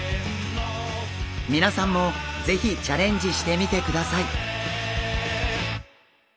みなさんも是非チャレンジしてみてください。